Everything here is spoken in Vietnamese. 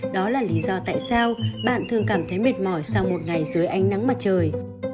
đó là lý do tại sao bạn thường cảm thấy mệt mỏi sau một ngày dưới ánh nắng mặt trời